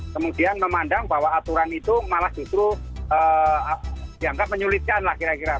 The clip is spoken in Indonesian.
kemudian memandang bahwa aturan itu malah justru dianggap menyulitkan lah kira kira